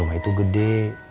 rumah itu gede